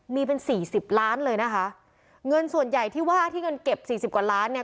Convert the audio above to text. มีเป็นสี่สิบล้านเลยนะคะเงินส่วนใหญ่ที่ว่าที่เงินเก็บสี่สิบกว่าล้านเนี่ย